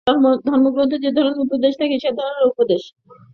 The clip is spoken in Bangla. ধর্মগ্রন্থে যে-ধরনের উপদেশ থাকে, সে-ধরনের উপদেশ।